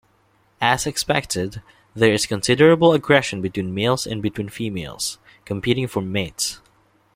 As expected, there is considerable aggression between males and between females, competing for mates.